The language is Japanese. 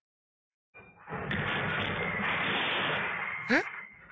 えっ？